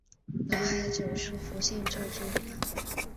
脑海总是浮现这句话